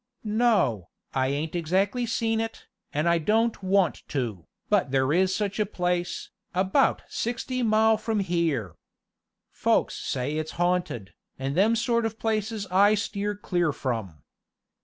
"No, I ain't exactly seen it, an' I don't want to, but there is such a place, about sixty mile from here. Folks says it's haunted, and them sort of places I steer clear from."